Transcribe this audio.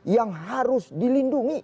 yang harus dilindungi